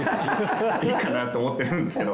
いいかなって思ってるんですけど